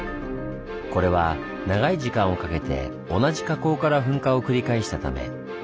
これは長い時間をかけて同じ火口から噴火を繰り返したため。